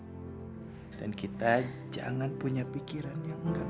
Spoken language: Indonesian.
hai dan kita jangan punya pikiran yang enggak